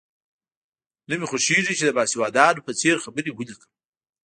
نه مې خوښېږي چې د باسوادانو په څېر خبرې ولیکم.